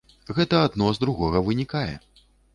Гэта адно з другога вынікае.